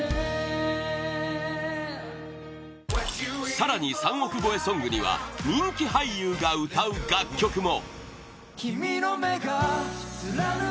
更に、３億超えソングには人気俳優が歌う楽曲も！